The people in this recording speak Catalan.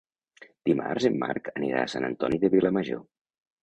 Dimarts en Marc anirà a Sant Antoni de Vilamajor.